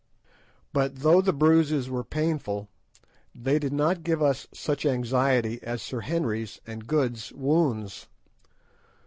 But though the bruises were painful, they did not give us such anxiety as Sir Henry's and Good's wounds.